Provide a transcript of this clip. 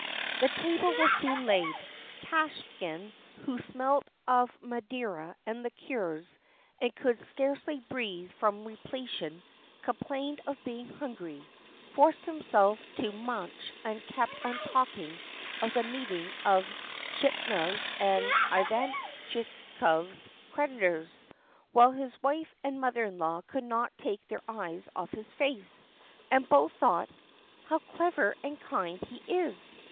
... The table was soon laid. Kvashin, who smelt of madeira and liqueurs and who could scarcely breathe from repletion, complained of being hungry, forced himself to munch and kept on talking of the meeting of Shipunov's and Ivantchikov's creditors, while his wife and mother in law could not take their eyes off his face, and both thought: "How clever and kind he is!